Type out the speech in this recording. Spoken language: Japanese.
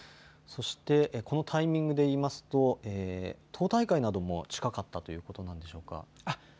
そして、このタイミングで言いますと党大会なども近かったということになるのでしょうか。